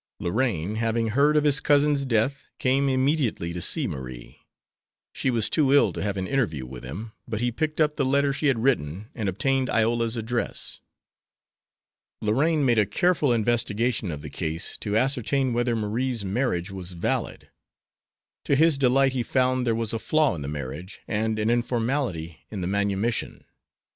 Lorraine, having heard of his cousin's death, came immediately to see Marie. She was too ill to have an interview with him, but he picked up the letter she had written and obtained Iola's address. Lorraine made a careful investigation of the case, to ascertain whether Marie's marriage was valid. To his delight he found there was a flaw in the marriage and an informality in the manumission.